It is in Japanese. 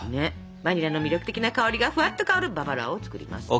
バニラの魅力的な香りがふわっと香るババロアを作ります！